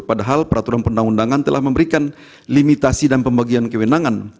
padahal peraturan perundang undangan telah memberikan limitasi dan pembagian kewenangan